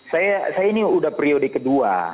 saya ini udah priode kedua